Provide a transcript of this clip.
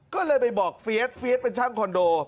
ก็เลยไปบอกเฟียสเฟียสเป็นช่างคอนโด